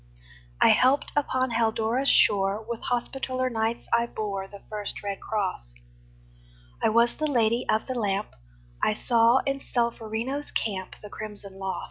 I helped upon Haldora's shore; With Hospitaller Knights I bore The first red cross; I was the Lady of the Lamp; I saw in Solferino's camp The crimson loss.